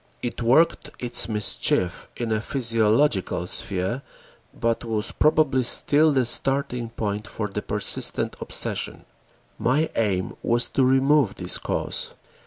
It worked its mischief in a physiological sphere but was probably still the starting point for the persistent obsession. My aim was to remove this cause.